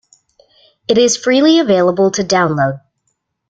It is freely available to download.